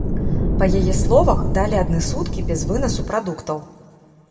Па яе словах, далі адны суткі без вынасу прадуктаў.